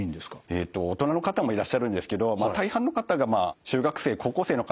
大人の方もいらっしゃるんですけど大半の方が中学生高校生の方。